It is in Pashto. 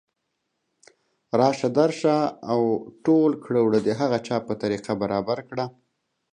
راشه درشه او او ټول کړه وړه د هغه چا په طریقه برابر کړه